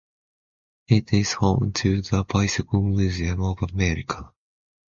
It is home to the Bicycle Museum of America.